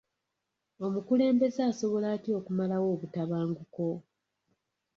Omukulembeze asobola atya okumalawo obutabanguko?